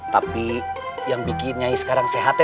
tapi yang membuat saya sekarang sehat